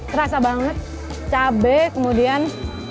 terasa banget cabai kemudian